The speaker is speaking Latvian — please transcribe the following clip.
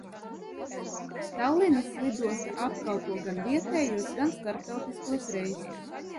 Tallinas lidosta apkalpo gan vietējos, gan starptautiskos reisus.